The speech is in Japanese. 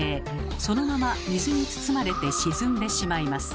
そのまま水に包まれて沈んでしまいます。